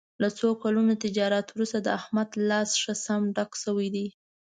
له څو کلونو تجارت ورسته د احمد لاس ښه سم ډک شوی دی.